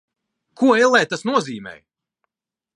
Ko, ellē, tas nozīmē?